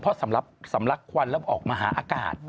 เพราะสำลักควันแล้วออกมาหาอากาศ